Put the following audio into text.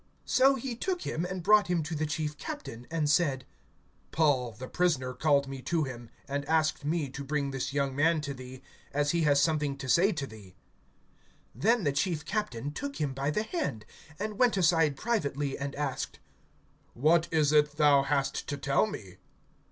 (18)So he took him, and brought him to the chief captain, and said: Paul, the prisoner, called me to him, and asked me to bring this young man to thee, as he has something to say to thee. (19)Then the chief captain took him by the hand, and went aside privately, and asked: What is that thou hast to tell me?